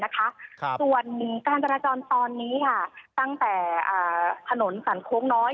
ส่วนการจราจรตอนนี้ตั้งแต่ถนนสรรโค้งน้อย